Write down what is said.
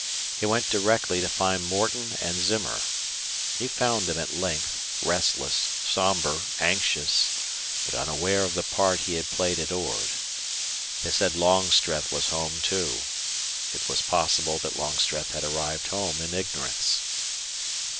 He went directly to find Morton and Zimmer. He found them at length, restless, somber, anxious, but unaware of the part he had played at Ord. They said Longstreth was home, too. It was possible that Longstreth had arrived home in ignorance.